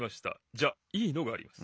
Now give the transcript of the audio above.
じゃいいのがあります。